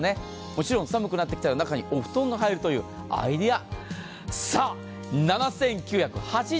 もちろん寒くなってきたら中にお布団が入るというアイデア。